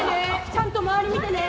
ちゃんと周り見てね。